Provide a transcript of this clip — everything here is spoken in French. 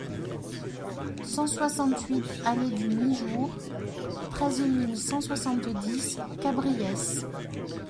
cent soixante-huit allée du Miejour, treize mille cent soixante-dix Cabriès